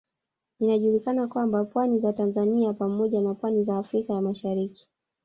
Inajulikana kwamba pwani za Tanzania pamoja na pwani za Afrika ya Mashariki